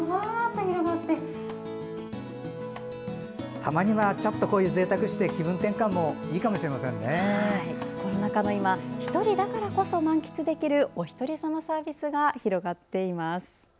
たまにはちょっとぜいたくしてコロナ禍の今１人だからこそ満喫できるおひとりさまサービスが広がっています。